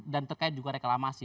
dan terkait juga reklamasi